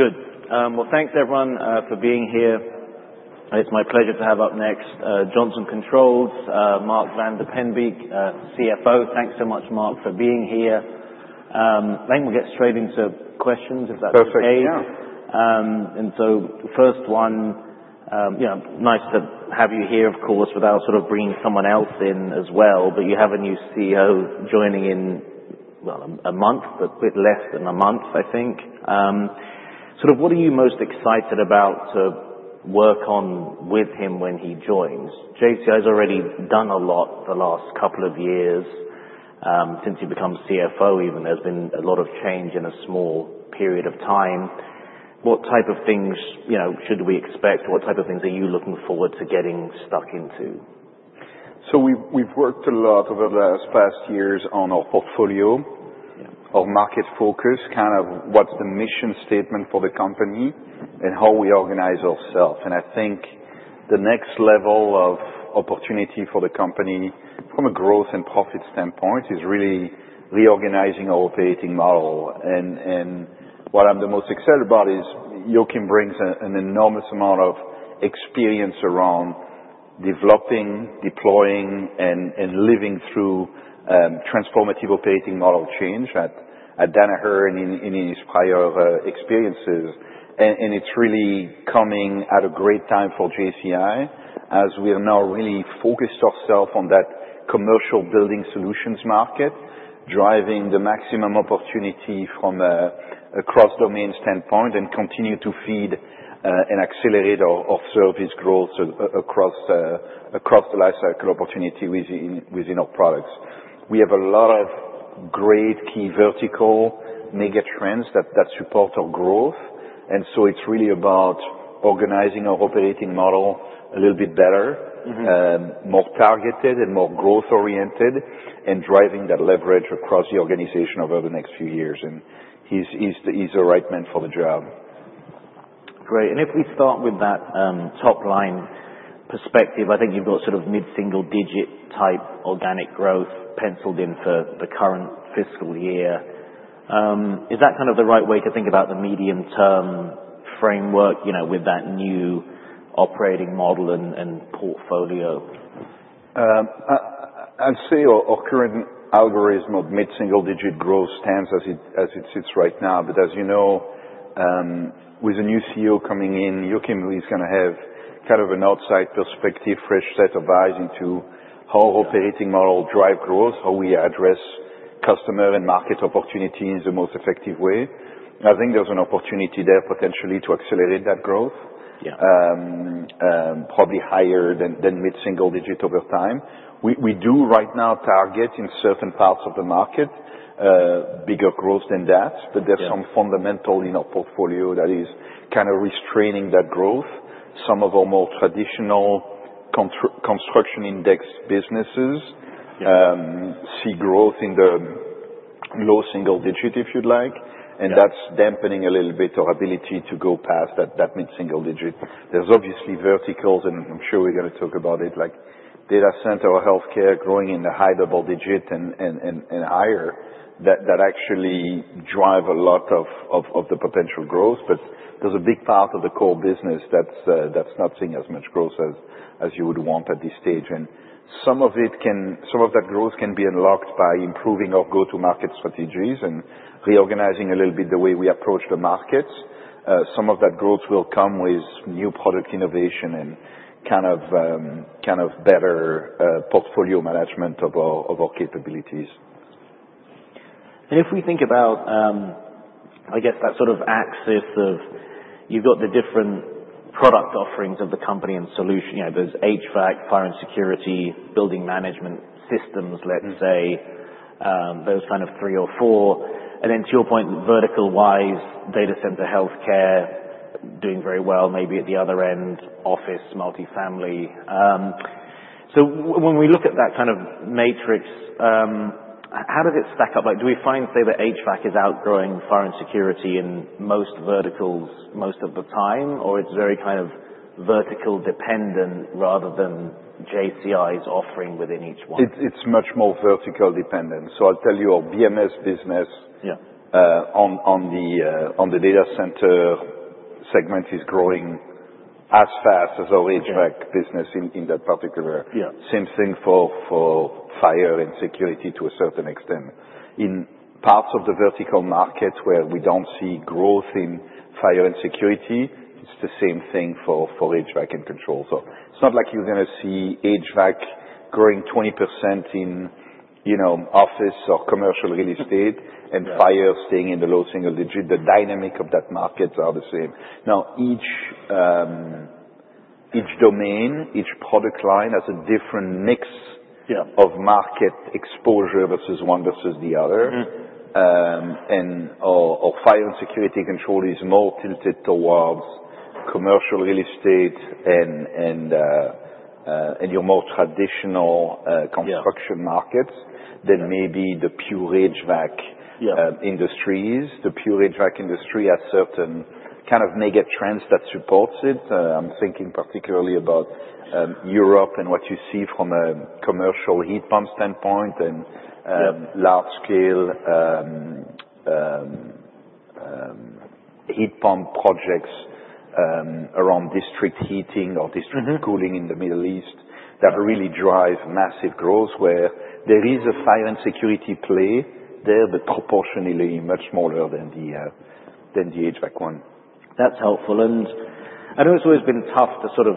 Good. Well, thanks, everyone, for being here. It's my pleasure to have up next Johnson Controls, Marc Vandiepenbeeck, CFO. Thanks so much, Marc, for being here. Then we'll get straight into questions, if that's okay. Perfect. Yeah. First one, nice to have you here, of course, without sort of bringing someone else in as well. You have a new CEO joining in, well, a month, but less than a month, I think. Sort of what are you most excited about to work on with him when he joins? JCI has already done a lot the last couple of years. Since he becomes CFO, even, there's been a lot of change in a small period of time. What type of things should we expect? What type of things are you looking forward to getting stuck into? So we've worked a lot over the past few years on our portfolio, our market focus, kind of what's the mission statement for the company, and how we organize ourselves. And I think the next level of opportunity for the company, from a growth and profit standpoint, is really reorganizing our operating model. And what I'm the most excited about is Joakim brings an enormous amount of experience around developing, deploying, and living through transformative operating model change at Danaher and any of his prior experiences. And it's really coming at a great time for JCI, as we have now really focused ourselves on that commercial Building Solutions market, driving the maximum opportunity from a cross-domain standpoint, and continue to feed and accelerate our service growth across the lifecycle opportunity within our products. We have a lot of great key verticals and mega trends that support our growth. And so it's really about organizing our operating model a little bit better, more targeted, and more growth-oriented, and driving that leverage across the organization over the next few years. And he's the right man for the job. Great. And if we start with that top-line perspective, I think you've got sort of mid-single-digit type organic growth penciled in for the current fiscal year. Is that kind of the right way to think about the medium-term framework with that new operating model and portfolio? I'd say our current algorithm of mid-single-digit growth stands as it sits right now, but as you know, with a new CEO coming in, Joakim is going to have kind of an outside perspective, fresh set of eyes into how our operating model drives growth, how we address customer and market opportunities in the most effective way. I think there's an opportunity there potentially to accelerate that growth, probably higher than mid-single-digit over time. We do right now target in certain parts of the market bigger growth than that, but there's some fundamental in our portfolio that is kind of restraining that growth. Some of our more traditional construction index businesses see growth in the low single digit, if you'd like, and that's dampening a little bit our ability to go past that mid-single digit. There's obviously verticals, and I'm sure we're going to talk about it, like data center or healthcare growing in the high double digit and higher, that actually drive a lot of the potential growth. But there's a big part of the core business that's not seeing as much growth as you would want at this stage. And some of that growth can be unlocked by improving our go-to-market strategies and reorganizing a little bit the way we approach the markets. Some of that growth will come with new product innovation and kind of better portfolio management of our capabilities. And if we think about, I guess, that sort of axis of you've got the different product offerings of the company and solutions. There's HVAC, Fire and Security, building management systems, let's say, those kind of three or four. And then to your point, vertical-wise, data center, healthcare doing very well, maybe at the other end, office, multifamily. So when we look at that kind of matrix, how does it stack up? Do we find, say, that HVAC is outgrowing Fire and Security in most verticals most of the time, or it's very kind of vertical dependent rather than JCI's offering within each one? It's much more vertically dependent. So I'll tell you, our BMS business on the data center segment is growing as fast as our HVAC business in that particular. Same thing for Fire and Security to a certain extent. In parts of the vertical market where we don't see growth in Fire and Security, it's the same thing for HVAC and controls. So it's not like you're going to see HVAC growing 20% in office or commercial real estate and fire staying in the low single digit. The dynamic of that markets are the same. Now, each domain, each product line has a different mix of market exposure versus one versus the other. And our Fire and Security control is more tilted towards commercial real estate and your more traditional construction markets than maybe the pure HVAC industries. The pure HVAC industry has certain kind of mega trends that supports it. I'm thinking particularly about Europe and what you see from a commercial heat pump standpoint and large-scale heat pump projects around district heating or district cooling in the Middle East that really drive massive growth, where there is a Fire and Security play there, but proportionally much smaller than the HVAC one. That's helpful. And I know it's always been tough to sort of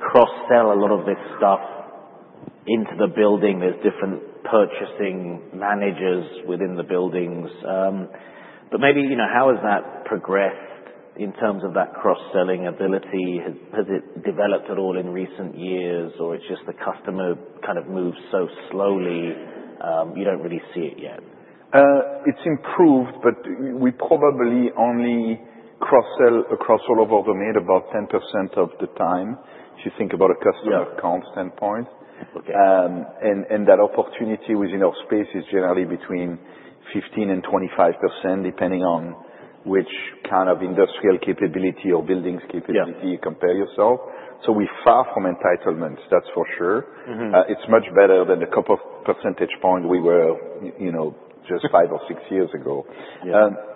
cross-sell a lot of this stuff into the building. There's different purchasing managers within the buildings. But maybe how has that progressed in terms of that cross-selling ability? Has it developed at all in recent years, or it's just the customer kind of moves so slowly you don't really see it yet? It's improved, but we probably only cross-sell across all of our domain about 10% of the time if you think about a customer account standpoint. And that opportunity within our space is generally between 15% and 25%, depending on which kind of industrial capability or building's capability you compare yourself. So we're far from entitlement, that's for sure. It's much better than the couple of percentage point we were just five or six years ago.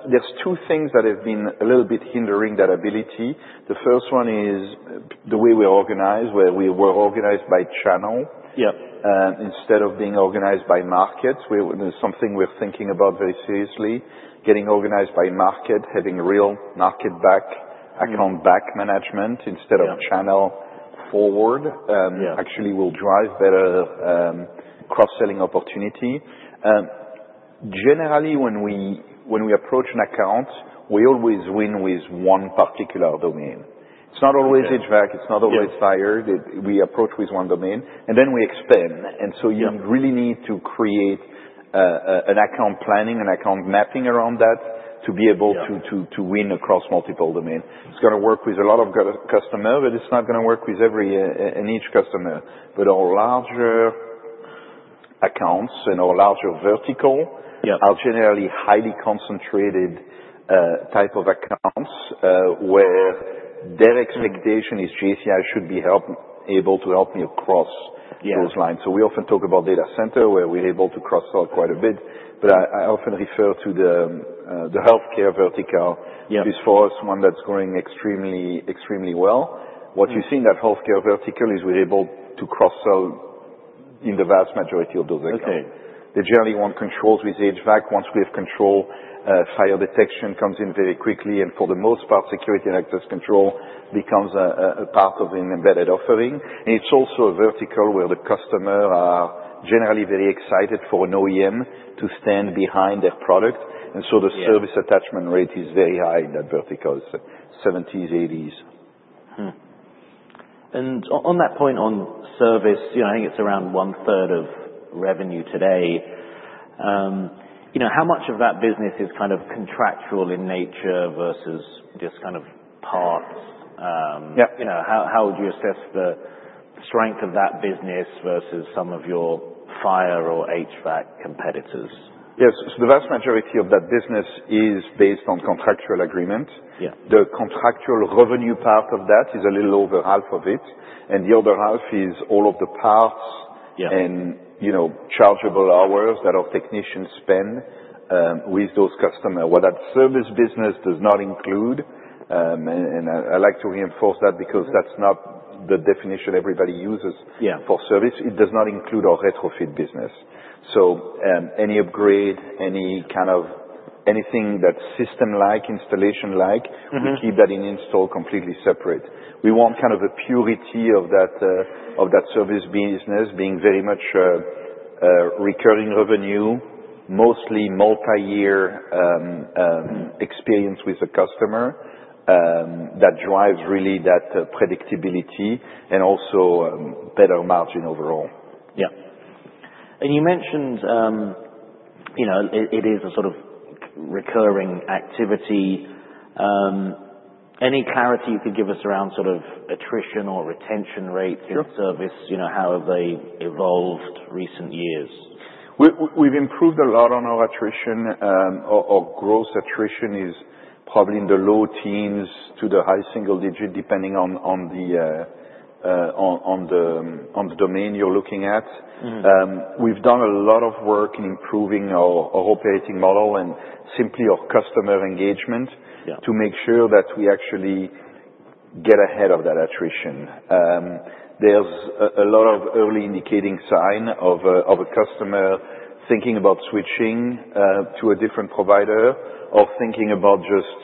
There's two things that have been a little bit hindering that ability. The first one is the way we're organized, where we were organized by channel instead of being organized by market, which is something we're thinking about very seriously. Getting organized by market, having real market-back, account-back management instead of channel-forward actually will drive better cross-selling opportunity. Generally, when we approach an account, we always win with one particular domain. It's not always HVAC. It's not always fire. We approach with one domain, and then we expand. And so you really need to create an account planning, an account mapping around that to be able to win across multiple domains. It's going to work with a lot of customers, but it's not going to work with each customer. But our larger accounts and our larger vertical are generally highly concentrated type of accounts where their expectation is JCI should be able to help me across those lines. So we often talk about data center, where we're able to cross-sell quite a bit. But I often refer to the healthcare vertical because for us, one that's growing extremely well. What you see in that healthcare vertical is we're able to cross-sell in the vast majority of those accounts. They generally want controls with HVAC. Once we have control, fire detection comes in very quickly. For the most part, security and access control becomes a part of an embedded offering. It's also a vertical where the customers are generally very excited for an OEM to stand behind their product. The service attachment rate is very high in that vertical, 70%-80%. On that point on service, I think it's around one-third of revenue today. How much of that business is kind of contractual in nature versus just kind of parts? How would you assess the strength of that business versus some of your fire or HVAC competitors? Yes. So the vast majority of that business is based on contractual agreement. The contractual revenue part of that is a little over half of it, and the other half is all of the parts and chargeable hours that our technicians spend with those customers. What that service business does not include, and I like to reinforce that because that's not the definition everybody uses for service, it does not include our retrofit business, so any upgrade, any kind of anything that's system-like, installation-like, we keep that in install completely separate. We want kind of a purity of that service business being very much recurring revenue, mostly multi-year experience with the customer that drives really that predictability and also better margin overall. Yeah. And you mentioned it is a sort of recurring activity. Any clarity you could give us around sort of attrition or retention rates in service? How have they evolved recent years? We've improved a lot on our attrition. Our gross attrition is probably in the low teens to the high single digit, depending on the domain you're looking at. We've done a lot of work in improving our operating model and simply our customer engagement to make sure that we actually get ahead of that attrition. There's a lot of early indicating sign of a customer thinking about switching to a different provider or thinking about just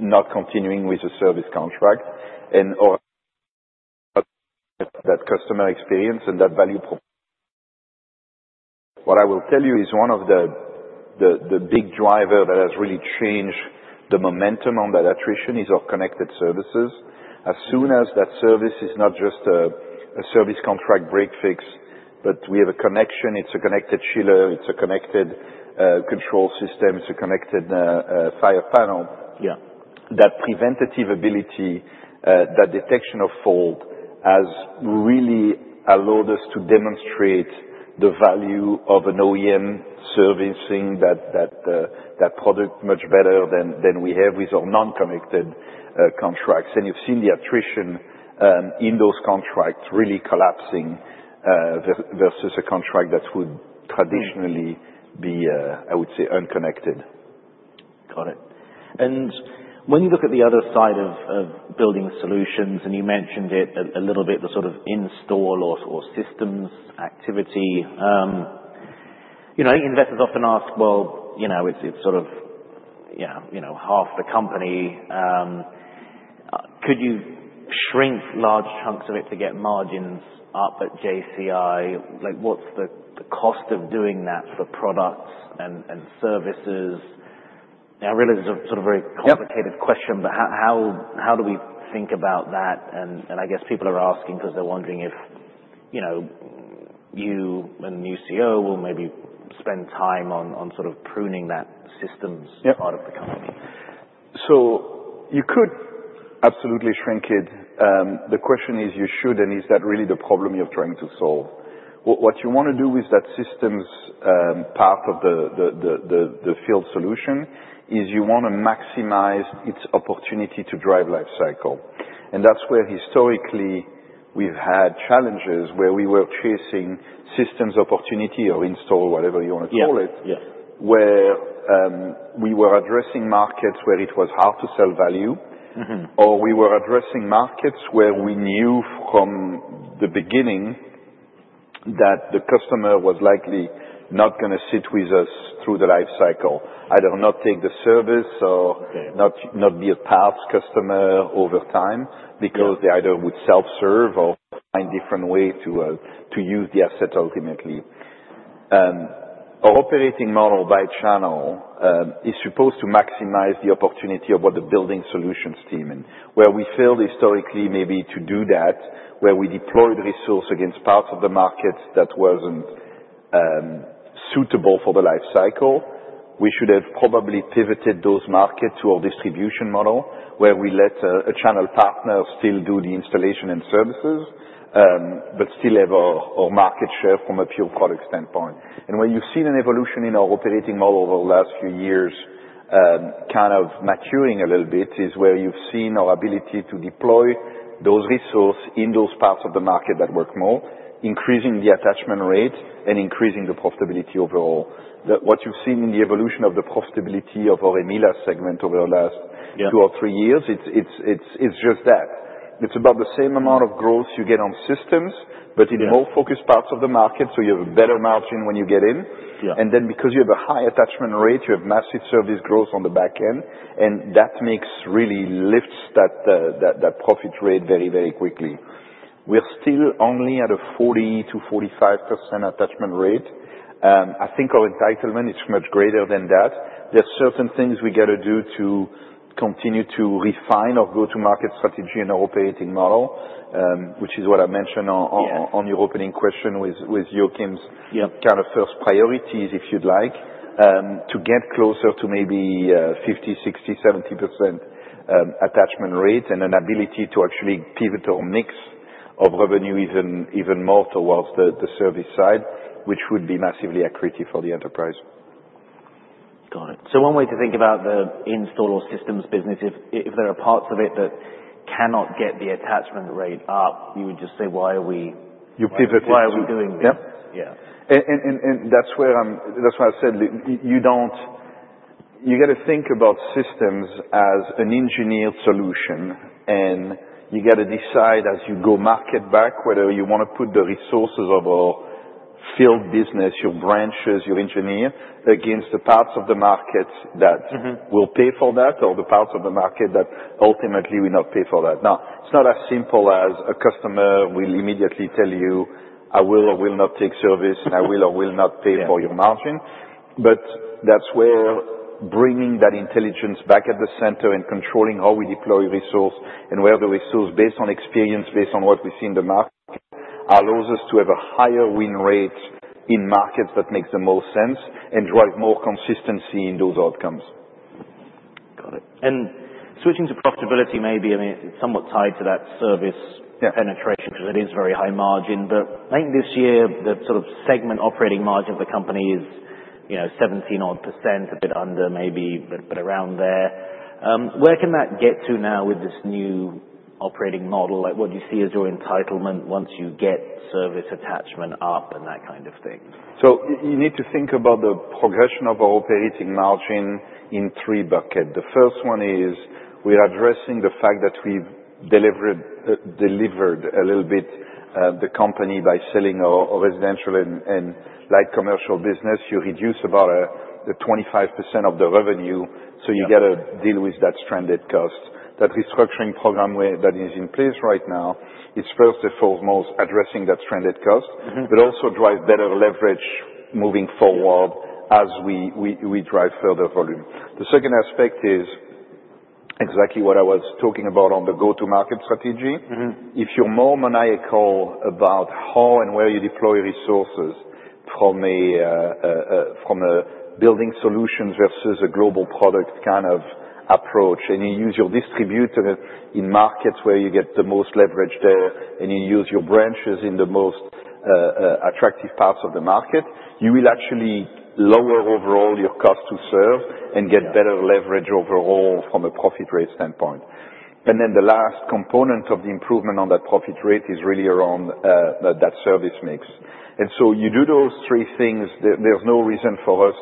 not continuing with the service contract and that customer experience and that value proposition. What I will tell you is one of the big drivers that has really changed the momentum on that attrition is our connected services. As soon as that service is not just a service contract break-fix, but we have a connection. It's a connected chiller. It's a connected control system. It's a connected fire panel. That preventative ability, that detection of fault, has really allowed us to demonstrate the value of an OEM servicing that product much better than we have with our non-connected contracts, and you've seen the attrition in those contracts really collapsing versus a contract that would traditionally be, I would say, unconnected. Got it. And when you look at the other side of Building Solutions, and you mentioned it a little bit, the sort of install or systems activity, I think investors often ask, "Well, it's sort of half the company. Could you shrink large chunks of it to get margins up at JCI? What's the cost of doing that for products and services?" Now, I realize it's a sort of very complicated question, but how do we think about that? And I guess people are asking because they're wondering if you and your CEO will maybe spend time on sort of pruning that systems part of the company. So you could absolutely shrink it. The question is you should, and is that really the problem you're trying to solve? What you want to do with that systems part of the field solution is you want to maximize its opportunity to drive lifecycle. And that's where historically we've had challenges where we were chasing systems opportunity or install, whatever you want to call it, where we were addressing markets where it was hard to sell value, or we were addressing markets where we knew from the beginning that the customer was likely not going to sit with us through the lifecycle, either not take the service or not be a past customer over time because they either would self-serve or find a different way to use the asset ultimately. Our operating model by channel is supposed to maximize the opportunity of what the Building Solutions team. And where we failed historically maybe to do that, where we deployed resource against parts of the markets that wasn't suitable for the lifecycle, we should have probably pivoted those markets to our distribution model where we let a channel partner still do the installation and services but still have our market share from a pure product standpoint. And where you've seen an evolution in our operating model over the last few years kind of maturing a little bit is where you've seen our ability to deploy those resource in those parts of the market that work more, increasing the attachment rate and increasing the profitability overall. What you've seen in the evolution of the profitability of our EMEALA segment over the last two or three years, it's just that. It's about the same amount of growth you get on systems, but in more focused parts of the market, so you have a better margin when you get in and then because you have a high attachment rate, you have massive service growth on the back end, and that really lifts that profit rate very, very quickly. We're still only at a 40%-45% attachment rate. I think our entitlement is much greater than that. There are certain things we got to do to continue to refine our go-to-market strategy and our operating model, which is what I mentioned on your opening question with Joakim's kind of first priorities, if you'd like, to get closer to maybe 50%, 60%, 70% attachment rate and an ability to actually pivot our mix of revenue even more towards the service side, which would be massively accretive for the enterprise. Got it. So one way to think about the install or systems business, if there are parts of it that cannot get the attachment rate up, you would just say, "Why are we doing this? You pivot it. Yeah. And that's why I said you got to think about systems as an engineered solution, and you got to decide as you go-to-market whether you want to put the resources of our field business, your branches, your engineers against the parts of the market that will pay for that or the parts of the market that ultimately will not pay for that. Now, it's not as simple as a customer will immediately tell you, "I will or will not take service, and I will or will not pay for your margin." But that's where bringing that intelligence back at the center and controlling how we deploy resources and where the resources based on experience, based on what we see in the market, allows us to have a higher win rate in markets that make the most sense and drive more consistency in those outcomes. Got it. And switching to profitability maybe, I mean, it's somewhat tied to that service penetration because it is very high margin. But I think this year the sort of segment operating margin of the company is 17-odd%, a bit under maybe, but around there. Where can that get to now with this new operating model? What do you see as your entitlement once you get service attachment up and that kind of thing? So you need to think about the progression of our operating margin in three buckets. The first one is we're addressing the fact that we've delivered a little bit the company by selling our Residential and Light Commercial business. You reduce about 25% of the revenue, so you got to deal with that stranded cost. That restructuring program that is in place right now is first and foremost addressing that stranded cost, but also drive better leverage moving forward as we drive further volume. The second aspect is exactly what I was talking about on the go-to-market strategy. If you're more maniacal about how and where you deploy resources from a Building Solutions versus a Global Products kind of approach, and you use your distributor in markets where you get the most leverage there, and you use your branches in the most attractive parts of the market, you will actually lower overall your cost to serve and get better leverage overall from a profit rate standpoint, and then the last component of the improvement on that profit rate is really around that service mix, and so you do those three things. There's no reason for us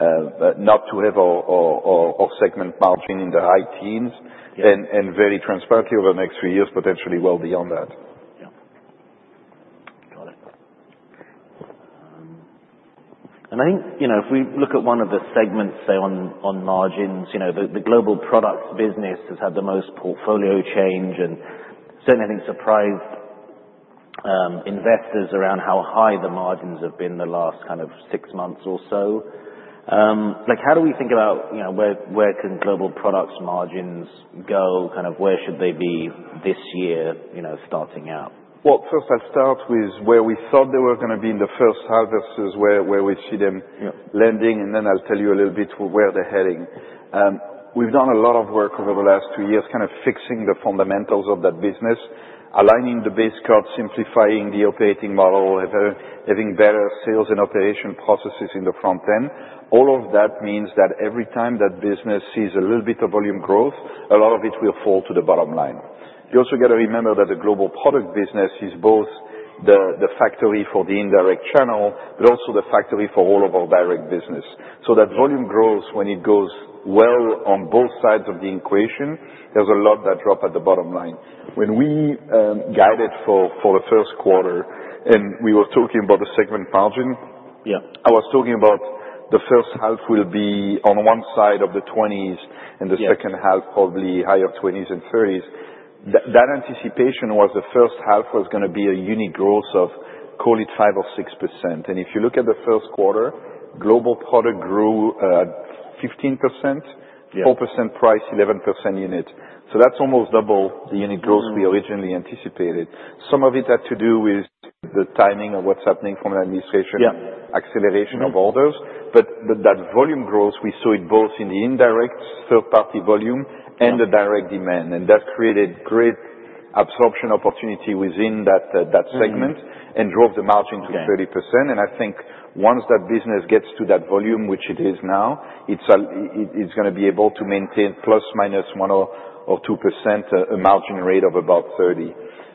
not to have our segment margin in the high teens and very transparently over the next few years, potentially well beyond that. Yeah. Got it. And I think if we look at one of the segments, say, on margins, the Global Products business has had the most portfolio change, and certainly I think surprised investors around how high the margins have been the last kind of six months or so. How do we think about where can Global Products margins go? Kind of where should they be this year starting out? First, I'll start with where we thought they were going to be in the first half versus where we see them landing, and then I'll tell you a little bit where they're heading. We've done a lot of work over the last two years kind of fixing the fundamentals of that business, aligning the base case, simplifying the operating model, having better sales and operations processes in the front end. All of that means that every time that business sees a little bit of volume growth, a lot of it will fall to the bottom line. You also got to remember that the Global Products business is both the factory for the indirect channel, but also the factory for all of our direct business. So that volume grows, when it goes well on both sides of the equation, there's a lot that drop at the bottom line. When we guided for the first quarter, and we were talking about the segment margin, I was talking about the first half will be on one side of the 20s and the second half probably higher 20s and 30s. That anticipation was the first half was going to be an organic growth of, call it 5 or 6%. And if you look at the first quarter, Global Products grew at 15%, 4% price, 11% unit. So that's almost double the unit growth we originally anticipated. Some of it had to do with the timing of what's happening from the administration, acceleration of orders. But that volume growth, we saw it both in the indirect third-party volume and the direct demand. And that created great absorption opportunity within that segment and drove the margin to 30%. I think once that business gets to that volume, which it is now, it's going to be able to maintain plus minus 1% or 2% a margin rate of about 30%.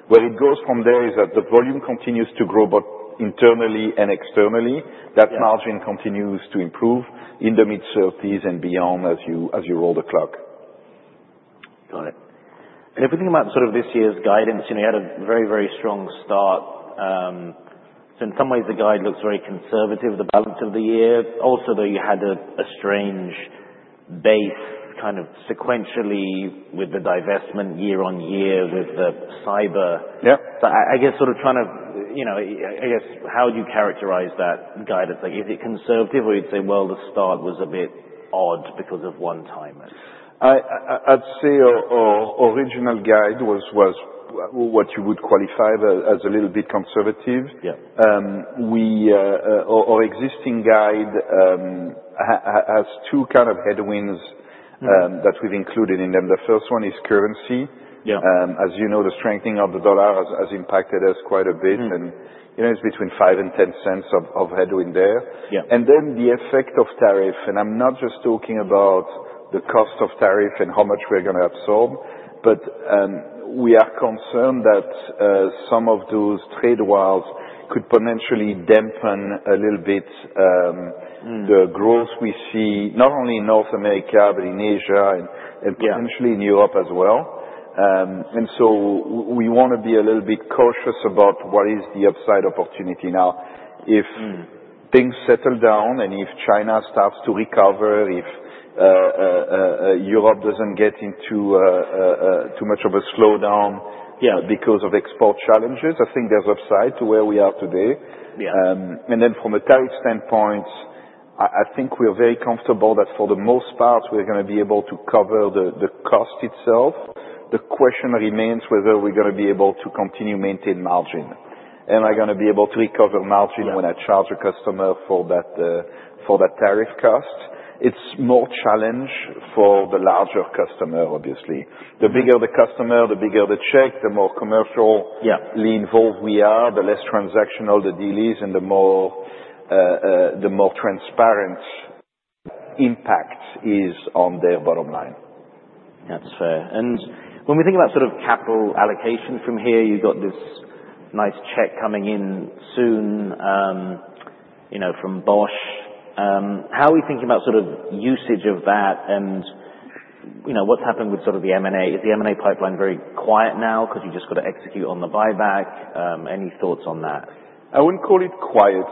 Where it goes from there is that the volume continues to grow both internally and externally. That margin continues to improve in the mid-30s and beyond as you roll the clock. Got it. And if we think about sort of this year's guidance, you had a very, very strong start. So in some ways, the guide looks very conservative, the balance of the year. Also, though, you had a strange base kind of sequentially with the divestment year on year with the cyber. So I guess sort of trying to, I guess, how would you characterize that guidance? Is it conservative, or you'd say, "Well, the start was a bit odd because of one-timer"? I'd say our original guide was what you would qualify as a little bit conservative. Our existing guide has two kind of headwinds that we've included in them. The first one is currency. As you know, the strengthening of the dollar has impacted us quite a bit, and it's between $0.05 and $0.10 of headwind there. And then the effect of tariff. And I'm not just talking about the cost of tariff and how much we're going to absorb, but we are concerned that some of those trade walls could potentially dampen a little bit the growth we see not only in North America but in Asia and potentially in Europe as well. And so we want to be a little bit cautious about what is the upside opportunity now. If things settle down and if China starts to recover, if Europe doesn't get into too much of a slowdown because of export challenges, I think there's upside to where we are today, and then from a tariff standpoint, I think we're very comfortable that for the most part, we're going to be able to cover the cost itself. The question remains whether we're going to be able to continue maintain margin. Am I going to be able to recover margin when I charge a customer for that tariff cost? It's more challenge for the larger customer, obviously. The bigger the customer, the bigger the check, the more commercially involved we are, the less transactional the deal is, and the more transparent impact is on their bottom line. That's fair. And when we think about sort of capital allocation from here, you've got this nice check coming in soon from Bosch. How are we thinking about sort of usage of that and what's happened with sort of the M&A? Is the M&A pipeline very quiet now because you just got to execute on the buyback? Any thoughts on that? I wouldn't call it quiet.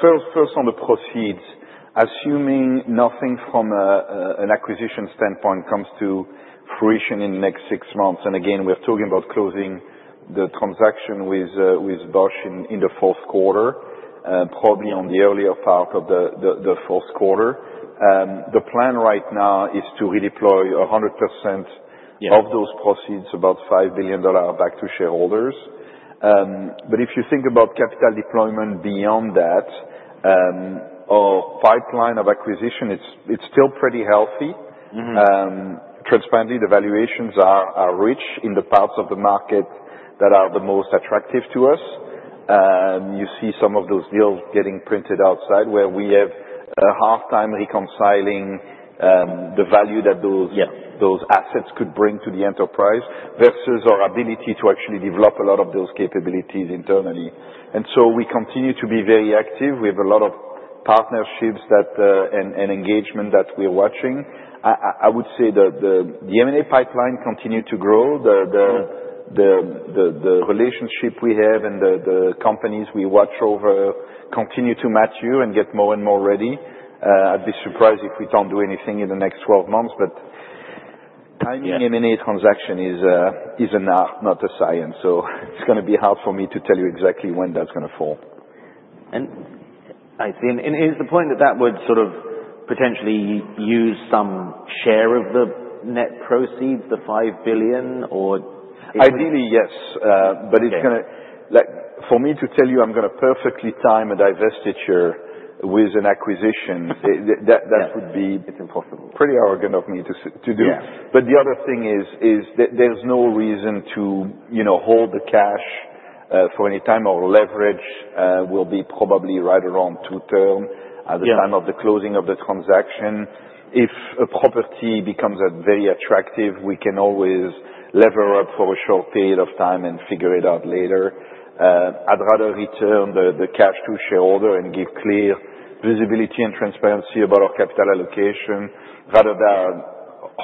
First, on the proceeds, assuming nothing from an acquisition standpoint comes to fruition in the next six months, and again, we're talking about closing the transaction with Bosch in the fourth quarter, probably on the earlier part of the fourth quarter, the plan right now is to redeploy 100% of those proceeds, about $5 billion back to shareholders, but if you think about capital deployment beyond that, our pipeline of acquisition, it's still pretty healthy. Transparently, the valuations are rich in the parts of the market that are the most attractive to us. You see some of those deals getting printed outside where we have a hard time reconciling the value that those assets could bring to the enterprise versus our ability to actually develop a lot of those capabilities internally, and so we continue to be very active. We have a lot of partnerships and engagement that we're watching. I would say that the M&A pipeline continued to grow. The relationship we have and the companies we watch over continue to mature and get more and more ready. I'd be surprised if we don't do anything in the next 12 months, but timing M&A transaction is an art, not a science. So it's going to be hard for me to tell you exactly when that's going to fall. Is the point that would sort of potentially use some share of the net proceeds, the $5 billion, or? Ideally, yes. But for me to tell you I'm going to perfectly time a divestiture with an acquisition, that would be pretty arrogant of me to do. But the other thing is there's no reason to hold the cash for any time. Our leverage will be probably right around 2x at the time of the closing of the transaction. If an opportunity becomes very attractive, we can always lever up for a short period of time and figure it out later. I'd rather return the cash to shareholder and give clear visibility and transparency about our capital allocation rather than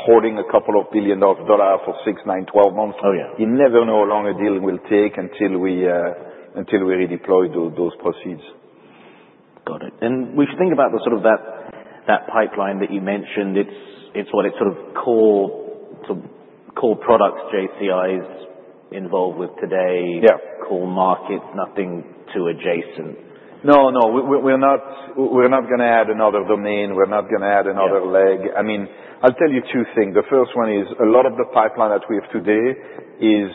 holding a couple billion dollars for six, nine, 12 months. You never know how long a deal will take until we redeploy those proceeds. Got it. And we should think about sort of that pipeline that you mentioned. It's what it sort of core products JCI is involved with today, core markets, nothing too adjacent. No, no. We're not going to add another domain. We're not going to add another leg. I mean, I'll tell you two things. The first one is a lot of the pipeline that we have today is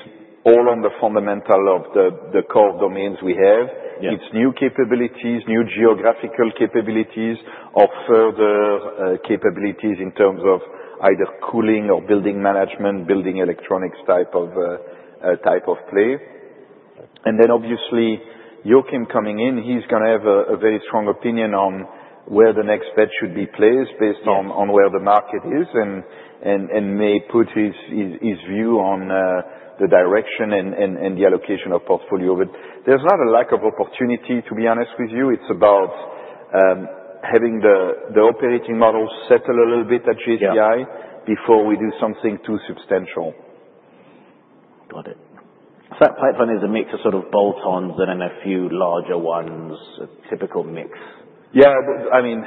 all on the fundamental of the core domains we have. It's new capabilities, new geographical capabilities, or further capabilities in terms of either cooling or building management, building electronics type of play. And then obviously, Joakim coming in, he's going to have a very strong opinion on where the next bet should be placed based on where the market is and may put his view on the direction and the allocation of portfolio. But there's not a lack of opportunity, to be honest with you. It's about having the operating model settle a little bit at JCI before we do something too substantial. Got it. So that pipeline is a mix of sort of bolt-ons and then a few larger ones, a typical mix. Yeah. I mean,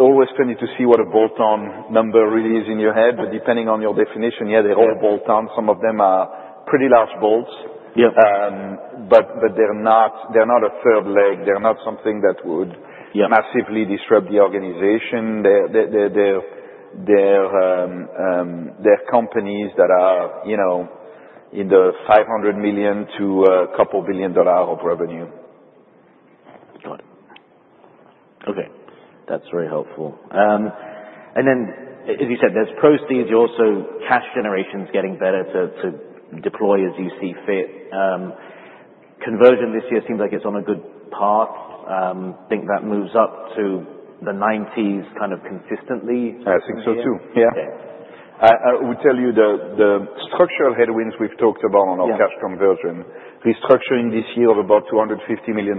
always trying to see what a bolt-on number really is in your head, but depending on your definition, yeah, they're all bolt-ons. Some of them are pretty large bolts, but they're not a third leg. They're not something that would massively disrupt the organization. They're companies that are in the $500 million to a couple billion dollars of revenue. Got it. Okay. That's very helpful. And then, as you said, there's proceeds. You're also cash generation's getting better to deploy as you see fit. Conversion this year seems like it's on a good path. Think that moves up to the 90s kind of consistently. Yeah. I would tell you the structural headwinds we've talked about on our cash conversion, restructuring this year of about $250 million,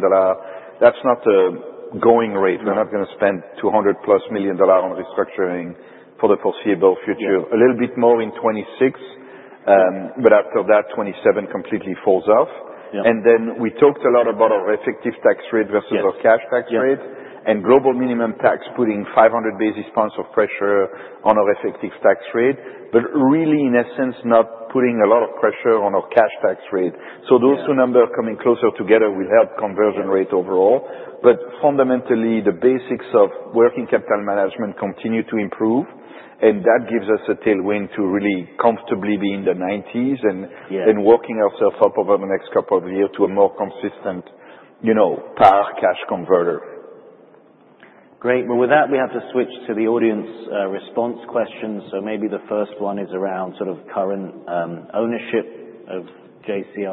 that's not a going rate. We're not going to spend $200-plus million on restructuring for the foreseeable future. A little bit more in 2026, but after that, 2027 completely falls off. And then we talked a lot about our effective tax rate versus our cash tax rate and global minimum tax putting 500 basis points of pressure on our effective tax rate, but really, in essence, not putting a lot of pressure on our cash tax rate. So those two numbers coming closer together will help conversion rate overall. But fundamentally, the basics of working capital management continue to improve, and that gives us a tailwind to really comfortably be in the 90s and working ourselves up over the next couple of years to a more consistent par cash converter. Great. Well, with that, we have to switch to the audience response questions, so maybe the first one is around sort of current ownership of JCI.